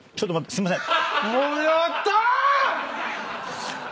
すいません。